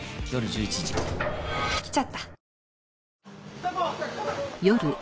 来たぞ！